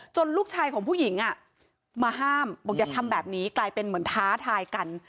ลูกชายของผู้หญิงมาห้ามบอกอย่าทำแบบนี้กลายเป็นเหมือนท้าทายกัน